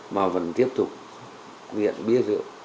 mà vẫn tiếp tục viện bia rượu